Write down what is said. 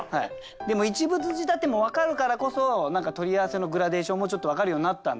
でも一物仕立ても分かるからこそ何か取り合わせのグラデーションもちょっと分かるようになったんで。